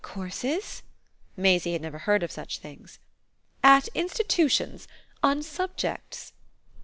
"Courses?" Maisie had never heard of such things. "At institutions on subjects."